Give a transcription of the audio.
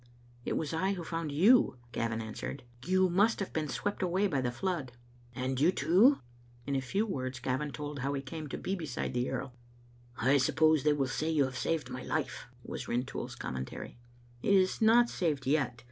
"It was I who found you," Gavin answered. "You must have been swept away by the flood." " And you too?" In a few words Gavin told how he came to bp beside the earl. " I suppose they will say you have saved my life/* was Rintoul's commentary. " It is not saved yet.